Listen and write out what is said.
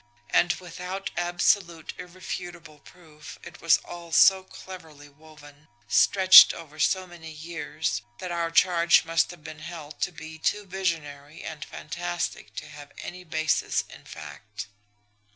And without absolute, irrefutable proof, it was all so cleverly woven, stretched over so many years, that our charge must have been held to be too visionary and fantastic to have any basis in fact.